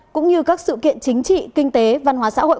cũng như các sự kiện chính trị kinh tế văn hóa xã hội